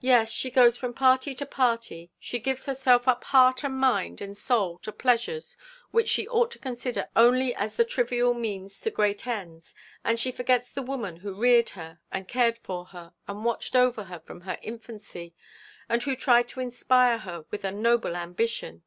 'Yes, she goes from party to party she gives herself up heart and mind and soul to pleasures which she ought to consider only as the trivial means to great ends; and she forgets the woman who reared her, and cared for her, and watched over her from her infancy, and who tried to inspire her with a noble ambition.